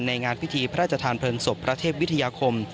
งานพิธีพระราชทานเพลิงศพพระเทพวิทยาคม